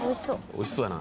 美味しそうやな。